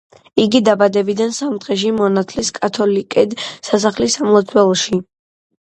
იგი დაბადებიდან სამ დღეში მონათლეს კათოლიკედ, სასახლის სამლოცველოში.